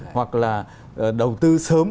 hoặc là đầu tư sớm